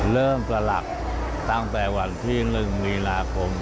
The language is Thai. เริ่มสลักตั้งแต่วันที่๑มีนาคม๒๕๕๗มา